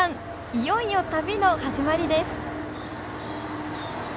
いよいよ旅の始まりです